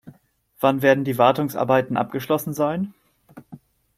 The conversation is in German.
Wann werden die Wartungsarbeiten abgeschlossen sein?